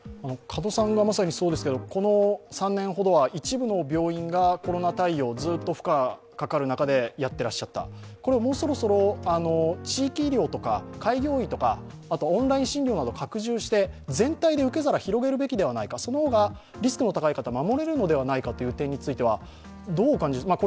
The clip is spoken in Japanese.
この３年ほどは、一部の病院がコロナ対応、ずっと負荷がかかる中でやっていらっしゃった、これを、もうそろそろ地域医療とか開業医とかあとはオンライン診療など拡充して、全体で受け皿を広げるべきではないか、その方がリスクの高い方を守れるのではないか、これはどうお考えになりますか。